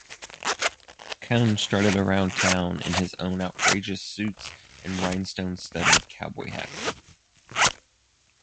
Cohn strutted around town in his own outrageous suits and rhinestone-studded cowboy hats.